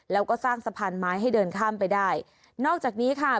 แล้วก็สร้างสะพานไม้ให้เดินข้ามไปได้นอกจากนี้ค่ะ